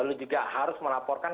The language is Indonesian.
lalu juga harus melaporkan